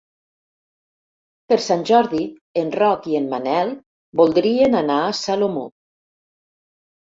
Per Sant Jordi en Roc i en Manel voldrien anar a Salomó.